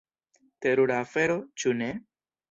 Terura afero, ĉu ne?